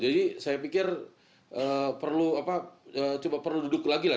jadi saya pikir perlu apa coba perlu duduk lagi lah